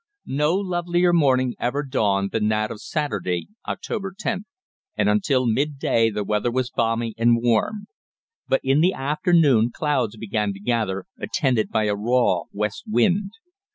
No lovelier morning ever dawned than that of Saturday (October 10th), and until midday the weather was balmy and warm; but in the afternoon clouds began to gather attended by a raw west wind.